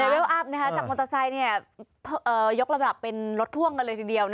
เวลอัพจากมอเตอร์ไซค์ยกระดับเป็นรถพ่วงกันเลยทีเดียว